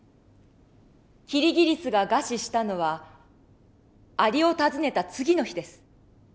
キリギリスが餓死したのはアリを訪ねた次の日です。